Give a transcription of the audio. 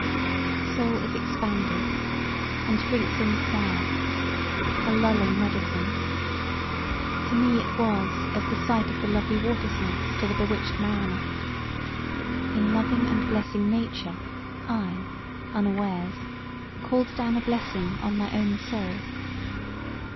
The soul is expanded and drinks in quiet, a lulling medecine to me it was as the sight of the lovely water snakes to the bewitched mariner in loving and blessing Nature I unawares, called down a blessing on my own soul.